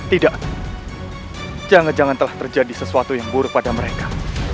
tidak jangan jangan telah terjadi sesuatu yang buruk pada mereka